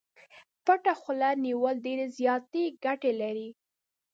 پټه خوله نيول ډېرې زياتې ګټې لري.